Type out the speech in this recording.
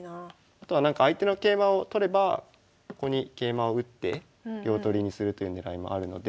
あとは相手の桂馬を取ればここに桂馬を打って両取りにするという狙いもあるので。